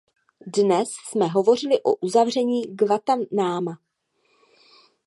Dnes jsme hovořili o uzavření Guantánama.